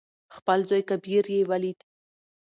خپل زوى کبير يې ولېد.